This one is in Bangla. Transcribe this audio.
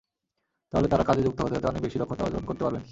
তাহলে তাঁরা কাজে যুক্ত হতে হতে অনেক বেশি দক্ষতা অর্জন করতে পারবেন।